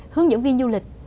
hướng dẫn viên du lịch